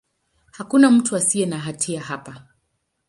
Hakuna mtu asiye na hatia hapa.